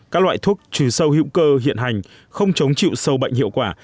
các loại thuốc trừ sâu hữu cơ hiện hành không chống chịu sâu bệnh hiệu quả